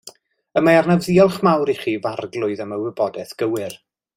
Y mae arnaf ddiolch mawr i chi, f'arglwydd, am y wybodaeth gywir.